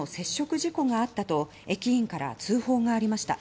事故があったと駅員から通報がありました。